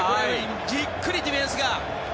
じっくりディフェンスが。